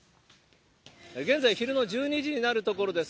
現在、昼の１２時になるところです。